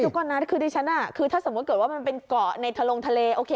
ดูก่อนนะถ้าสมมุติเกิดว่ามันเป็นเกาะในทะลงทะเล